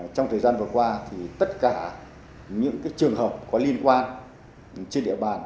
trong thời gian vừa qua thì tất cả những cái trường hợp có liên quan trên địa bàn